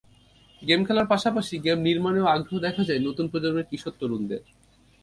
Game খেলার পাশাপাশি game নির্মাণেও আগ্রহ দেখা যায় নতুন প্রজন্মের কিশোর-তরুণদের।